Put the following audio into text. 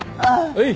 はい。